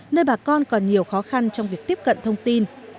nơi bà con còn nhiều khó khăn trong việc tiếp cận thông tin